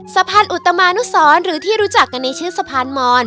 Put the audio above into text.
สะพานอุตมานุสรหรือที่รู้จักกันในชื่อสะพานมอน